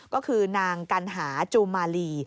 ก็คือนางกัณหาจูมาลี